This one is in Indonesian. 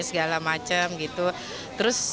segala macam gitu terus